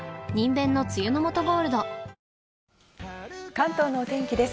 関東のお天気です。